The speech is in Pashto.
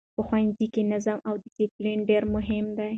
په ښوونځیو کې نظم او ډسپلین ډېر مهم دی.